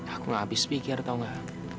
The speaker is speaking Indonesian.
aku gak habis pikir tau gak